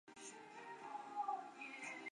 加雅涅的家。